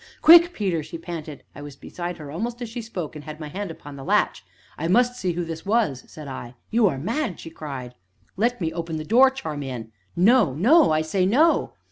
"Quick, Peter!" she panted. I was beside her almost as she spoke, and had my hand upon the latch. "I must see who this was," said I. "You are mad!" she cried. "Let me open the door, Charmian." "No, no I say no!"